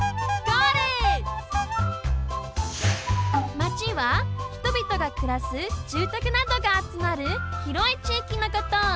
「町」はひとびとがくらすじゅうたくなどがあつまるひろいちいきのこと。